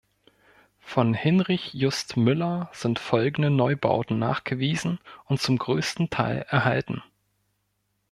Von Hinrich Just Müller sind folgende Neubauten nachgewiesen und zum größten Teil erhalten.